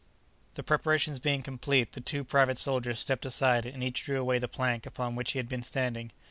The preparations being complete, the two private soldiers stepped aside and each drew away the plank upon which he had been standing.